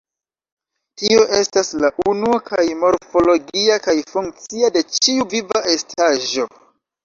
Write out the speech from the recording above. Tio estas, la unuo kaj morfologia kaj funkcia de ĉiu viva estaĵo.